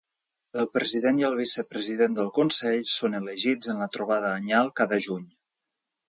El president i el vicepresident del consell són elegits en la trobada anyal cada juny.